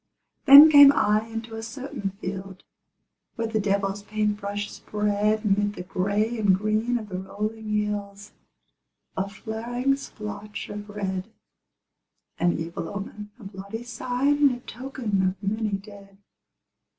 Then came I into a certain field Where the devil's paint brush spread 'Mid the gray and green of the rolling hills A flaring splotch of red, An evil omen, a bloody sign, And a token of many dead.